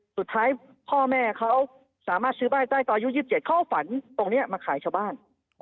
สุดท้ายพ่อแม่เขาสามารถซื้อบ้านได้ตอนอายุ๒๗เขาเอาฝันตรงนี้มาขายชาวบ้าน